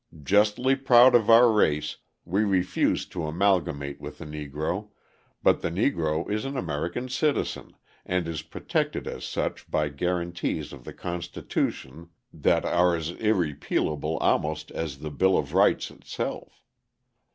"Justly proud of our race, we refuse to amalgamate with the Negro, but the Negro is an American citizen, and is protected as such by guarantees of the Constitution that are as irrepealable almost as the Bill of Rights itself.